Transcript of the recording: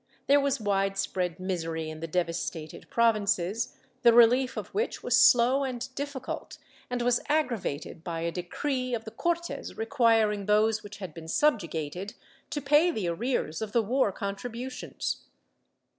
There was wide spread misery in the devastated provinces, the relief of which was slow and difficult and was aggravated by a decree of the Cortes requiring those which had been subjugated to pay the arrears of the war contributions.